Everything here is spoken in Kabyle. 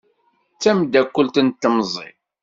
D tameddakelt n temẓi.